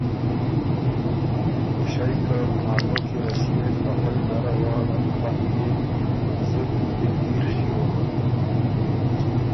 پُݭئ که نانو کی رسيېک ا خوئ نره وه ړنګ پنګ ديېک زُت دِلګیر ݭیوک۔